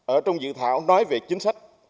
ở trong dự thảo nói về chính sách